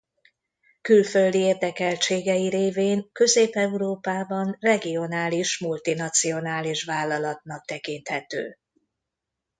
Külföldi érdekeltségei révén Közép-Európában regionális multinacionális vállalatnak tekinthető.